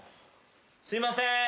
すいません！